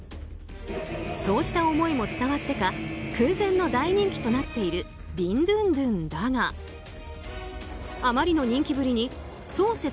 そうした思いも伝わってか空前の大人気となっているビンドゥンドゥンだがあまりの人気ぶりにソウ